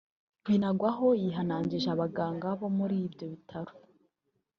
Binagwaho yihanangirije abaganga bo muri ibyo bitaro